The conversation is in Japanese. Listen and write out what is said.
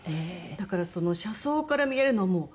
だからその車窓から見えるのはもう。